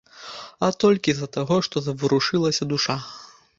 А толькі з-за таго, што заварушылася душа.